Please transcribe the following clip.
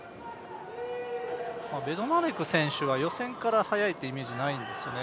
ベドナレク選手は予選から速いというイメージないんですよね。